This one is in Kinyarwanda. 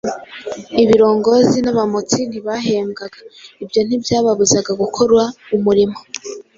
Ibirongozi n'abamotsi ntibahembwaga, ibyo ntibyababuzaga gukora umurimo